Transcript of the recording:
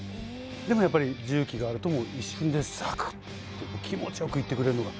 でもやっぱり重機があるともう一瞬でサクッて気持ちよくいってくれるのが。